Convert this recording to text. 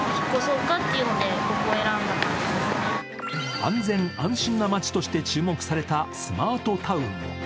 安全安心な街として注目されたスマートタウン。